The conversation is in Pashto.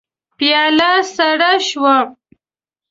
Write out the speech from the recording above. پياله سړه شوه.